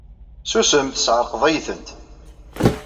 Ssusem, tessɛerqeḍ-iyi-tent!